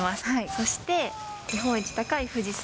そして日本一高い富士山。